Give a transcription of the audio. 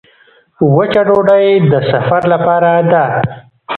وچه ډوډۍ د سفر لپاره ده.